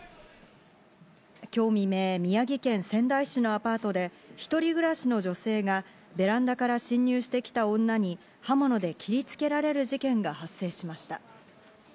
今日未明、宮城県仙台市のアパートで一人暮らしの女性がベランダから侵入してきた女に刃物で切りつけられる事件が発生しました。